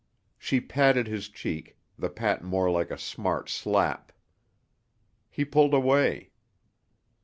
She patted his cheek, the pat more like a smart slap. He pulled away.